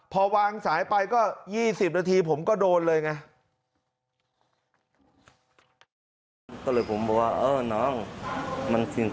พอวางสายไปก็๒๐นาทีผมก็โดนเลยไง